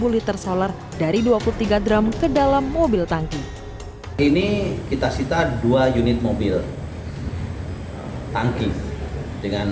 liter solar dari dua puluh tiga drum ke dalam mobil tangki ini kita sita dua unit mobil tangki dengan